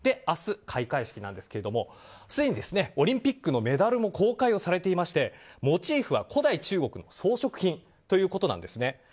明日、開会式なんですがすでにオリンピックのメダルも公開されていましてモチーフは古代中国の装飾品ということなんです。